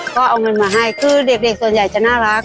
ก็เอาเงินมาให้คือเด็กส่วนใหญ่จะน่ารัก